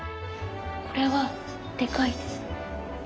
これはでかいですね。